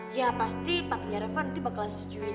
ya pasti papinya reva nanti bakal setujuin